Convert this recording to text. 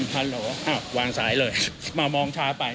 โหลอ้าววางสายเลยมามองช้าไป